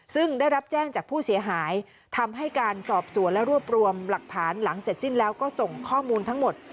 ซึ่งได้รับแจ้งจากผู้เสียหายทำให้การสอบสวนและรวบรวมหลักฐานหลังเสร็จสิ้นแล้วก็ส่งข้อมูลทั้งหมด